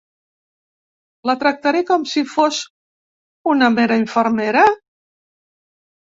La tractaré com si fos una mera infermera?